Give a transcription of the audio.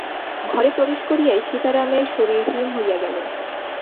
ঘরে প্রবেশ করিয়াই সীতারামের শরীর হিম হইয়া গেল।